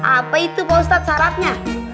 apa itu pak ustadz syaratnya